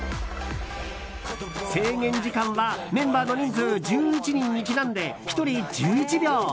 制限時間はメンバーの人数１１人にちなんで１人１１秒。